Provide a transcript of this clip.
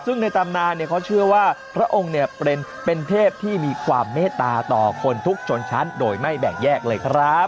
ซึ่งในตำนานเขาเชื่อว่าพระองค์เนี่ยเป็นเทพที่มีความเมตตาต่อคนทุกชนชั้นโดยไม่แบ่งแยกเลยครับ